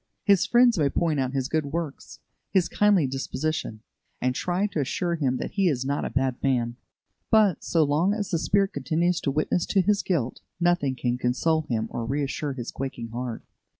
His friends may point out his good works, his kindly disposition, and try to assure him that he is not a bad man; but, so long as the Spirit continues to witness to his guilt, nothing can console him or reassure his quaking heart.